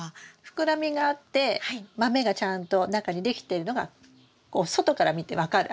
膨らみがあって豆がちゃんと中にできてるのがこう外から見て分かる。